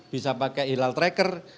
bisa pakai hilal tracker